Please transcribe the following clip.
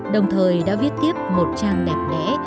đồng thời đã viết tiếp một trang đẹp lẽ